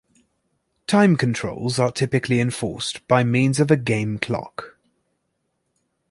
Time controls are typically enforced by means of a game clock.